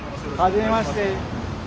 はじめまして。